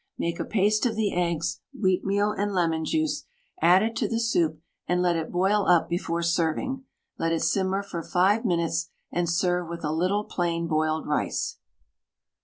Make a paste of the eggs, wheatmeal, and lemon juice, add it to the soup and let it boil up before serving; let it simmer for 5 minutes, and serve with a little plain boiled rice.